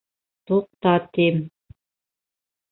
Туҡта, тим!..